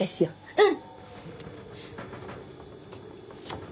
うん！